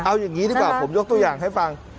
เอาอย่างนี้ดีกว่าผมยกตัวอย่างให้ฟัง